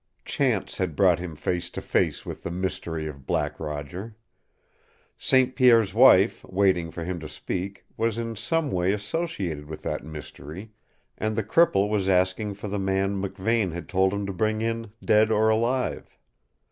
Chance had brought him face to face with the mystery of Black Roger. St. Pierre's wife, waiting for him to speak, was in some way associated with that mystery, and the cripple was asking for the man McVane had told him to bring in dead or alive!